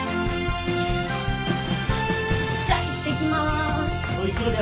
じゃいってきます。